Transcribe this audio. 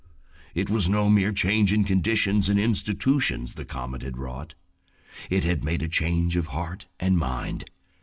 It was no mere change in conditions and institutions the comet had wrought. It had made a change of heart and mind.